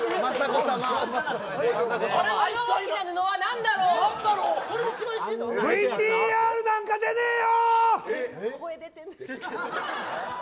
あの大きな布はなんだろう！ＶＴＲなんか出ねえよ！